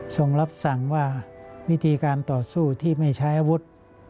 ส่งรับสั่งว่าวิธีการต่อสู้ที่ไม่ใช้อาวุธ